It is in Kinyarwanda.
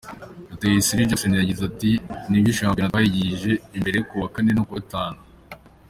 Rutayisire Jackson yagize ati: “Ni byo shampiyona twayigije imbere kuwa kane no kuwa gatanu.